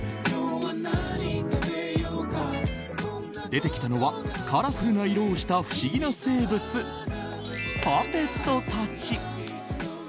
出てきたのはカラフルな色をした不思議な生物、パペットたち。